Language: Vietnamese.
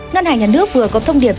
ngân hàng nhà nước vừa có thông điệp